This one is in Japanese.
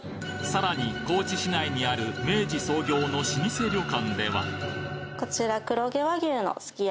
さらに高知市内にある明治創業の老舗旅館ではこちら。